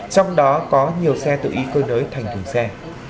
trong đó có nhiều xe tự ý cơ nới thành thủng xe